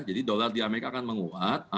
jadi dolar di amerika akan menguat